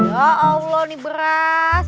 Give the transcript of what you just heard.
ya allah ini beras